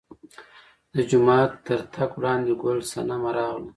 د جومات تر تګ وړاندې ګل صنمه راغله.